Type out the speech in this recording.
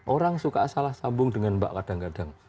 orang suka salah sambung dengan mbak kadang kadang